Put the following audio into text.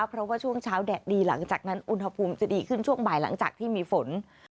เพราะว่าช่วงเช้าแดดดีหลังจากนั้นอุณหภูมิจะดีขึ้นช่วงบ่ายหลังจากที่มีฝน